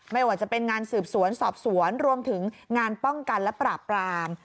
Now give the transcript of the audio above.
ไม่ว่าจะเป็นงานสืบสวนสอบสวนรวมถึงงานป้องกันและปราบราม